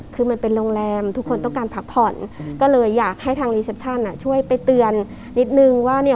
คือมันเป็นโรงแรมทุกคนต้องการพักผ่อนก็เลยอยากให้ทางรีเซปชั่นช่วยไปเตือนนิดนึงว่าเนี่ย